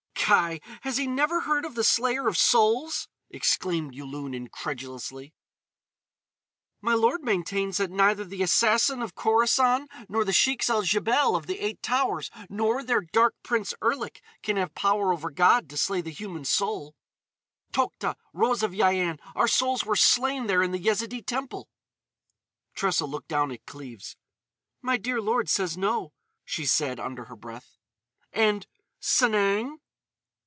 "Kai! Has he never heard of the Slayer of Souls?" exclaimed Yulun incredulously. "My lord maintains that neither the Assassin of Khorassan nor the Sheiks el Djebel of the Eight Towers, nor their dark prince Erlik, can have power over God to slay the human soul." "Tokhta, Rose of Yian! Our souls were slain there in the Yezidee temple." Tressa looked down at Cleves: "My dear lord says no," she said under her breath. "And—Sanang?"